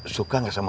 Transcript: suka gak sama gue